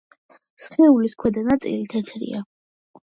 სხეულის ქვედა ნაწილი თეთრია.